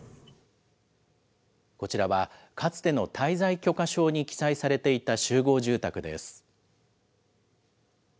こちらはかつての滞在許可証に記載されていた集合住宅です。